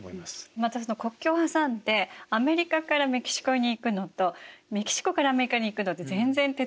またその国境を挟んでアメリカからメキシコに行くのとメキシコからアメリカに行くのって全然手続きが違うんですよね。